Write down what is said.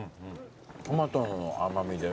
トマトの甘味で。